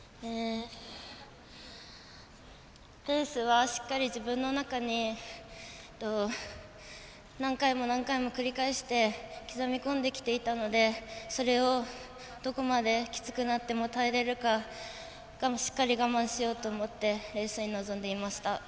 レースはしっかり自分の中に何回も何回も繰り返して刻み込んでいたのでそれをどこまできつくなっても耐えれるかしっかり我慢しようと思ってレースに臨んでいました。